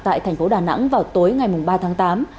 tại thành phố đà nẵng vào tối ngày ba tháng tám